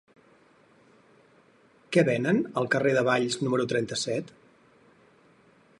Què venen al carrer de Valls número trenta-set?